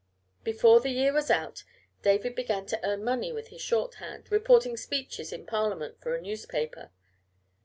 Before the year was out David began to earn money with his shorthand, reporting speeches in Parliament for a newspaper.